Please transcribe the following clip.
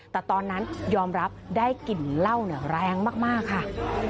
แต่ตอนนั้นยอมรับได้กลิ่นเหล้าแรงมากค่ะ